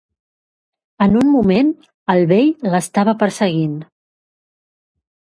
En un moment, el vell l'estava perseguint.